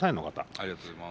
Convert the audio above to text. ありがとうございます。